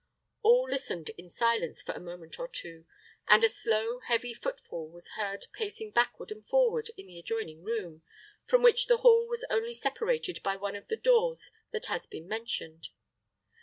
All listened in silence for a moment or two, and a slow, heavy footfall was heard pacing backward and forward in the adjoining room, from which the hall was only separated by one of the doors that has been mentioned.